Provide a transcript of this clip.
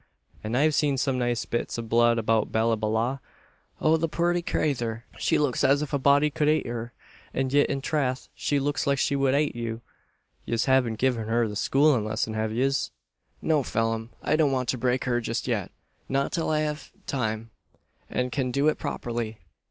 An' I've seen some nice bits av blood about Ballyballagh. Oh, the purty crayther! she looks as if a body cud ate her; and yit, in trath, she looks like she wud ate you. Yez haven't given her the schoolin' lesson, have yez?" "No, Phelim: I don't want to break her just yet not till I have time, and can do it properly.